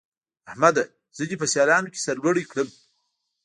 احمده! زه دې په سيالانو کې سر لوړی کړم.